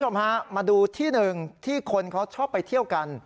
คุณผู้ชมฮะมาดูที่หนึ่งที่คนเขาชอบไปเที่ยวกัน